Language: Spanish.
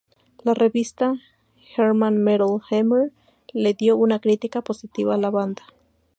La revista "German Metal Hammer", le dio una crítica positiva a la banda.